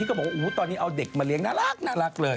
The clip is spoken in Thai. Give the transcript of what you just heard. ก็บอกว่าตอนนี้เอาเด็กมาเลี้ยน่ารักเลย